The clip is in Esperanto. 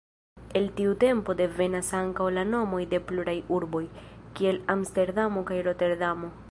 El tiu tempo devenas ankaŭ la nomoj de pluraj urboj, kiel Amsterdamo kaj Roterdamo.